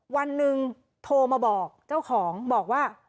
วันหนึ่งโทรมาบอกเจ้าของบอกว่า